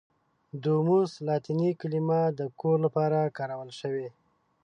دوموس لاتیني کلمه د کور لپاره کارول شوې.